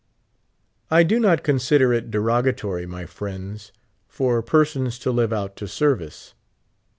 I do not consider it derogatory, mj" friends, for per sons to live out to service.